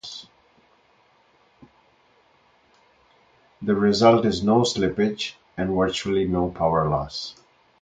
The result is no slippage, and virtually no power loss.